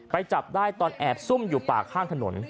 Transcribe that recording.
จับได้ตอนแอบซุ่มอยู่ป่าข้างถนน